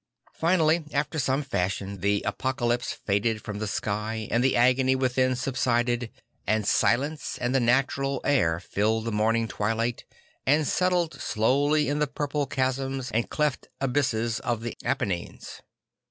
Finally after some fashion the apocalypse faded from the sky and the agony within subsided; and silence and the natural air filled the morning twilight and settled slowly in the purple chasms and cleft abysses of the Apennines.